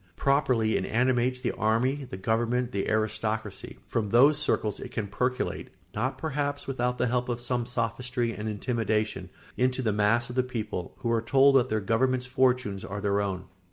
Properly it animates the army, the government, the aristocracy; from those circles it can percolate, not perhaps without the help of some sophistry and intimidation, into the mass of the people, who are told that their government's fortunes are their own.